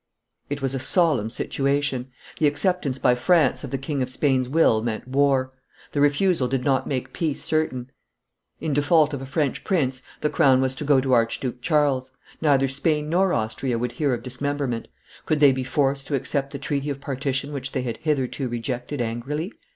It was a solemn situation. The acceptance by France of the King of Spain's will meant war; the refusal did not make peace certain; in default of a French prince the crown was to go to Archduke Charles; neither Spain nor Austria would hear of dismemberment; could they be forced to accept the treaty of partition which they had hitherto rejected angrily?